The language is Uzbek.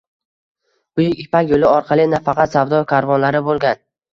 Buyuk ipak yoʻli orqali nafaqat savdo karvonlari bo'lgan.